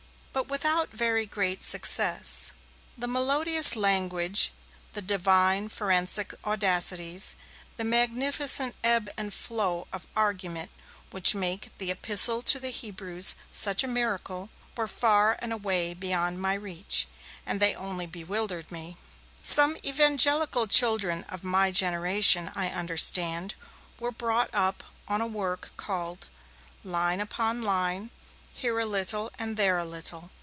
But without very great success. The melodious language, the divine forensic audacities, the magnificent ebb and flow of argument which make the 'Epistle to the Hebrews' such a miracle, were far and away beyond my reach, and they only bewildered me. Some evangelical children of my generation, I understand, were brought up on a work called 'Line upon Line: Here a Little, and there a Little'.